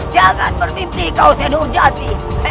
jangan bertipi kau seduh jati